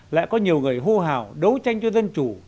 lại có nhiều người hô hào đấu tranh cho dân chủ